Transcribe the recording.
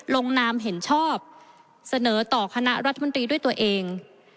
ลงนามเห็นชอบเสนอต่อคณะรัฐมนตรีด้วยตัวเอง